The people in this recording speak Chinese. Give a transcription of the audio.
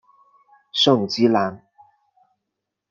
圣基兰。